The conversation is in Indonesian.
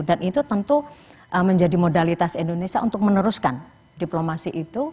dan itu tentu menjadi modalitas indonesia untuk meneruskan diplomasi itu